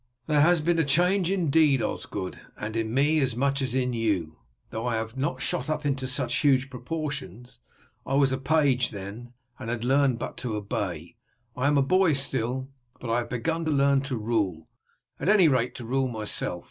"There has been a change indeed, Osgod, and in me as much as in you, though I have not shot up into such huge proportions. I was a page then, and had learned but to obey. I am a boy still, but I have begun to learn to rule; at any rate, to rule myself.